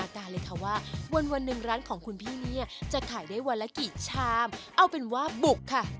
อ่ะอยากรู้แล้วว่าเด็ดขนาดนี้เนี่ยจะมีสูตรเด็ดเป็นยังไง